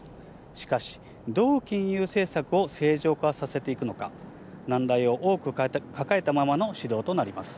しかし、どう金融政策を正常化させていくのか、難題を多く抱えたままの始動となります。